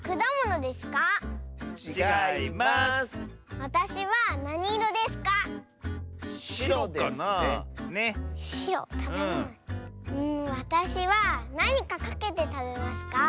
わたしはなにかかけてたべますか？